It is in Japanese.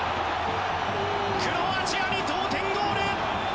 クロアチアに同点ゴール！